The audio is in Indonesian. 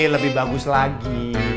lebih bagus lagi